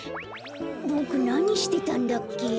ボクなにしてたんだっけ？